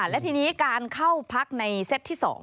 และทีนี้การเข้าพักในเซตที่๒